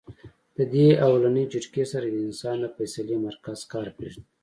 د دې اولنۍ جټکې سره د انسان د فېصلې مرکز کار پرېږدي -